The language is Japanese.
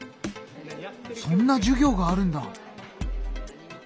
そんな授業があるんだ！